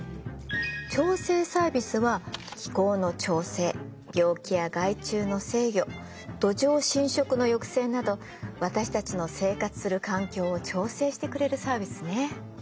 調整サービスは気候の調整病気や害虫の制御土壌浸食の抑制など私たちの生活する環境を調整してくれるサービスね。